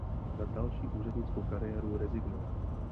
Na další úřednickou kariéru rezignoval.